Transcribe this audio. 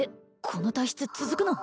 この体質続くの？